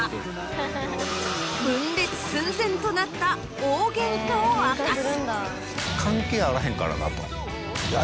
分裂寸前となった大ゲンカを明かす！